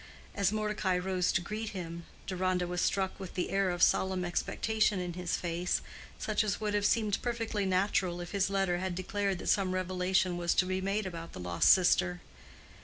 As Mordecai rose to greet him, Deronda was struck with the air of solemn expectation in his face, such as would have seemed perfectly natural if his letter had declared that some revelation was to be made about the lost sister.